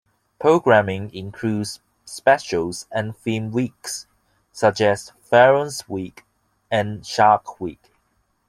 Programming includes specials and theme weeks such as 'Pharaoh's Week' and 'Shark Week'.